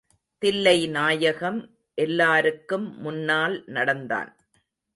தில்லைநாயகம் எல்லாருக்கும் முன்னால் நடந்தான்.